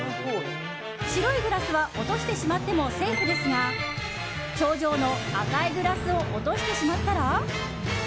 白いグラスは落としてしまってもセーフですが頂上の赤いグラスを落としてしまったら。